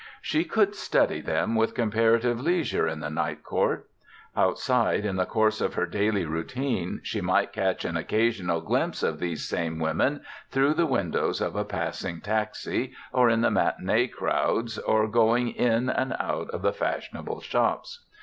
She could study them with comparative leisure in the Night Court. Outside in the course of her daily routine she might catch an occasional glimpse of these same women, through the windows of a passing taxi, or in the matinée crowds, or going in and out of the fashionable shops.